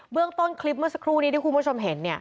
เรื่องต้นคลิปเมื่อสักครู่นี้ที่คุณผู้ชมเห็น